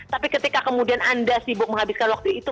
tapi ketika kemudian anda sibuk menghabiskan waktu itu